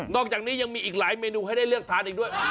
อกจากนี้ยังมีอีกหลายเมนูให้ได้เลือกทานอีกด้วย